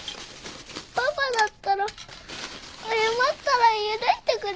パパだったら謝ったら許してくれるよ。